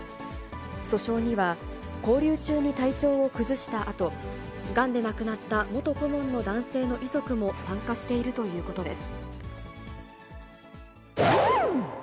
訴訟には、勾留中に体調を崩したあと、がんで亡くなった元顧問の男性の遺族も参加しているということです。